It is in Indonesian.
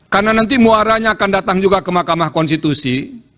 karena nanti muaranya akan datang juga ke mahkamah konstitusi